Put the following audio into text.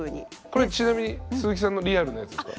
これちなみに鈴木さんのリアルなやつですか？